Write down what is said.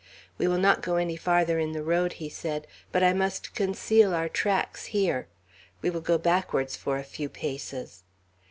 "We will not go any farther in the road," he said, "but I must conceal our tracks here. We will go backwards for a few paces."